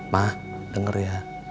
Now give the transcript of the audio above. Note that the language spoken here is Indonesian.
ma denger ya